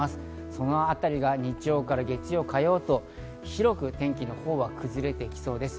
そのあたりが日曜から月曜、火曜と広く天気は崩れてきそうです。